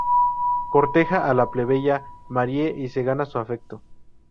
Corteja a la plebeya Marie y se gana su afecto.